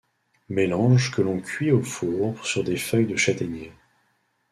Mélange que l'on cuit au four sur des feuilles de châtaignier.